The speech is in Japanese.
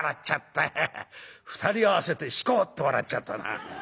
二人合わせてシコッと笑っちゃったな。